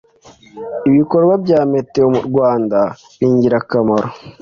ibikorwa bya metewo rwanda ningirakamaro.